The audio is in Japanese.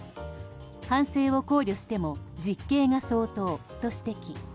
反省を考慮しても実刑が相当と指摘。